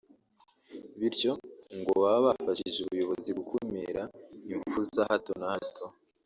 bityo ngo baba bafashije ubuyobozi gukumira imfpu za hato na hato